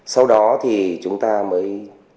sau đó thì chúng ta mới